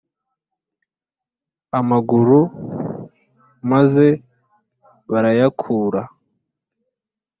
amaguru meza barayakura